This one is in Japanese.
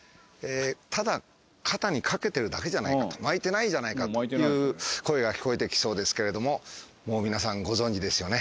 ただ肩にかけてるだけじゃないかと巻いてないじゃないかという声が聞こえてきそうですけれどももう皆さんご存じですよね。